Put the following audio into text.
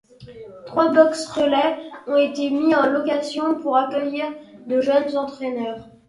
Trois box-relais ont été mis en location pour accueillir de jeunes entraîneurs.